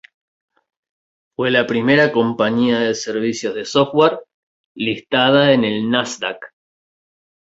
Fue la primera compañía de servicios de software listada en el Nasdaq.